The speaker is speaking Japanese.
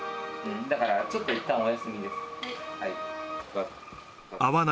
だから、ちょっといったんお休みです。